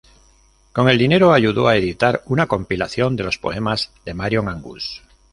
Con el dinero, ayudó a editar una compilación de los poemas de Marion Angus.